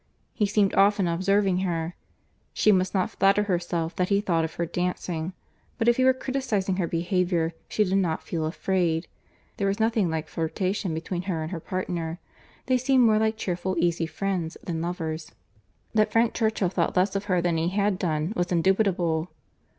—He seemed often observing her. She must not flatter herself that he thought of her dancing, but if he were criticising her behaviour, she did not feel afraid. There was nothing like flirtation between her and her partner. They seemed more like cheerful, easy friends, than lovers. That Frank Churchill thought less of her than he had done, was indubitable.